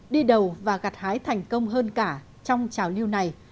đi đầu và gặt hái thành công hơn cả trong trào lưu này